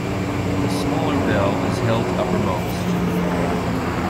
The smaller bell is held uppermost.